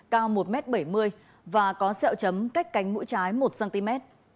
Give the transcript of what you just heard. cao một m bảy mươi và có sẹo chấm cách cánh mũi trái một cm